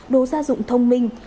đồ gia dụng thông minh